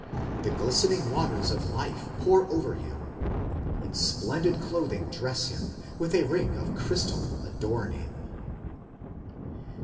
The glistening waters (of life) pour over him... In splendid clothing dress him, with a ring of crystal adorn him.